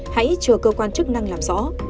hãy chờ cơ quan chức năng làm rõ